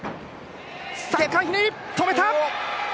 ３回ひねり、止めた！